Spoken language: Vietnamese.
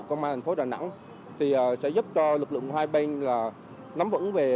công an thành phố đà nẵng thì sẽ giúp cho lực lượng hai bên là nắm vững về